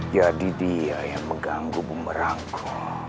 jadi dia yang mengganggu perangku